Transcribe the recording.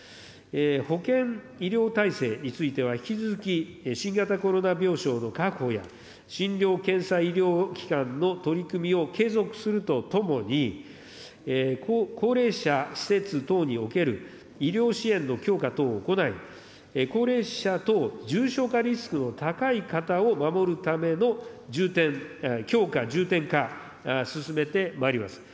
保健医療体制については、引き続き新型コロナ病床の確保や、診療検査医療機関の取り組みを継続するとともに、高齢者施設等における医療支援の強化等を行い、高齢者等重症化リスクの高い方を守るための重点、強化、重点化、進めてまいります。